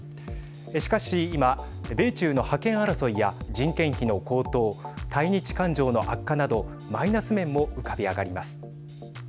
しかし今、米中の覇権争いや人件費の高騰対日感情の悪化などマイナス面も浮かび上がります。